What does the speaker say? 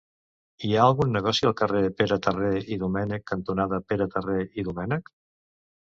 Hi ha algun negoci al carrer Pere Terré i Domènech cantonada Pere Terré i Domènech?